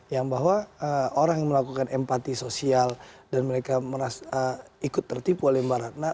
yang bahwa orang yang melakukan empati sosial dan mereka ikut tertipu oleh baratna